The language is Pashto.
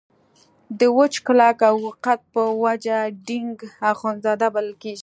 د وچ کلک او اوږده قد په وجه ډینګ اخندزاده بلل کېده.